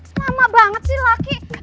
lama banget sih laki